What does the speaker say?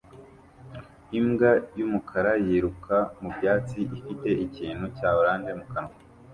Imbwa y'umukara yiruka mu byatsi ifite ikintu cya orange mu kanwa